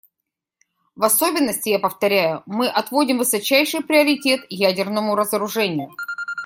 В особенности, я повторяю, мы отводим высочайший приоритет ядерному разоружению.